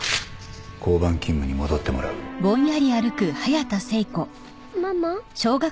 交番勤務に戻ってもらうママ？